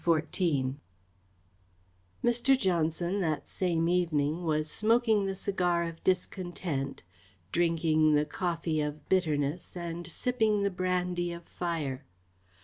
CHAPTER XIV Mr. Johnson, that same evening, was smoking the cigar of discontent, drinking the coffee of bitterness, and sipping the brandy of fire.